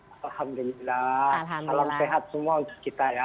alhamdulillah salam sehat semua untuk kita ya